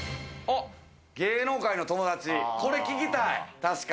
芸能界の友達、これ聞きたい。